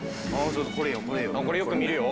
「これよく見るよ」